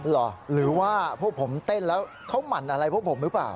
หรือว่าพวกผมเต้นแล้วเขาหมั่นอะไรพวกผมหรือเปล่า